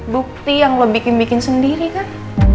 bukti yang lo bikin bikin sendiri kan